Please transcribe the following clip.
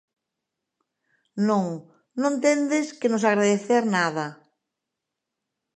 Non, non tendes que nos agradecer nada.